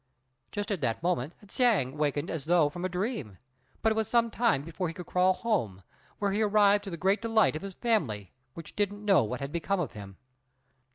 Just at that moment Hsiang awaked as though from a dream, but it was some time before he could crawl home, where he arrived to the great delight of his family, who didn't know what had become of him.